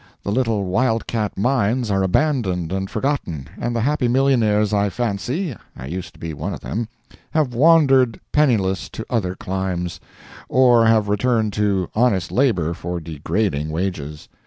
The little wildcat mines are abandoned and forgotten, and the happy millionaires I fancy (I used to be one of them) have wandered penniless to other climes, or have returned to honest labor for degrading wages.